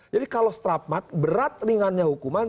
jadi kalau strafmat berat ringannya hukuman